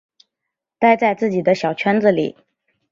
待在自己的小圈子里